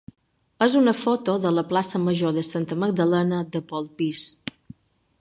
és una foto de la plaça major de Santa Magdalena de Polpís.